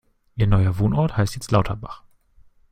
Ihr neuer Wohnort heißt jetzt Lauterbach.